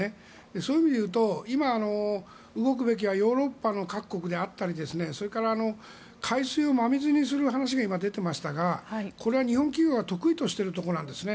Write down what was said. そういう意味で言うと今、動くべきはヨーロッパの各国であったりそれから、海水を真水にする話が今、出ていましたがこれは日本企業が得意としているところなんですね。